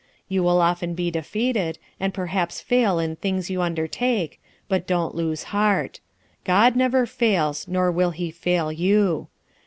You will often be defeated, and perhaps fail in things you undertake, but don't lose heart. God never fails, nor will He fail you.